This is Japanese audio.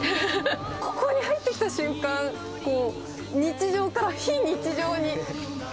ここに入ってきた瞬間、こう、日常から非日常に。